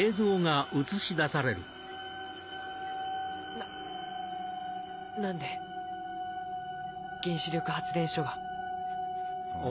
な何で原子力発電所が。